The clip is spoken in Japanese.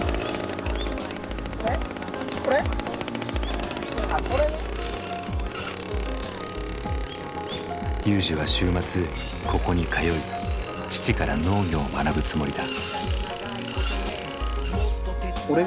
ＲＹＵＪＩは週末ここに通い父から農業を学ぶつもりだ。